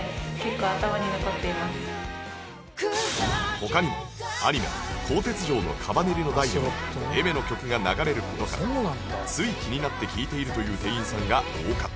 他にもアニメ『甲鉄城のカバネリ』の台でも Ａｉｍｅｒ の曲が流れる事からつい気になって聴いているという店員さんが多かった